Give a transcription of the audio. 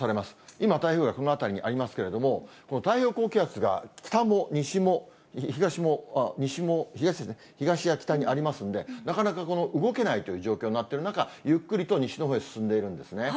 今、台風がこの辺りにありますけれども、この太平洋高気圧が北も西も東も西も、東や北にありますんで、なかなか動けないという状況になっている中、ゆっくりと西のほうに進んでいるんですね。